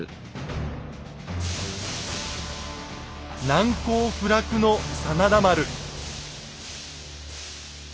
難攻不落の真田丸。